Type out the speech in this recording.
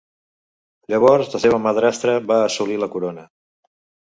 Llavors la seva madrastra va assolir la corona.